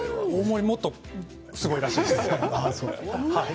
大盛りもっとすごいらしいですよ。